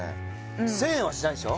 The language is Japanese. １０００円はしないでしょ？